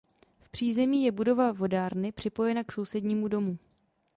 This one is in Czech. V přízemí je budova vodárny připojena k sousednímu domu.